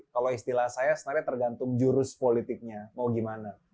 kalau istilah saya sebenarnya tergantung jurus politiknya mau gimana